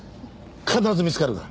必ず見つかるから。